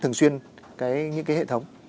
thường xuyên những cái hệ thống